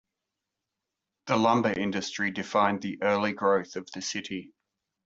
The lumber industry defined the early growth of the city.